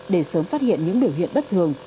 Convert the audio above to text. để sớm phát hiện những biểu hiện bất thường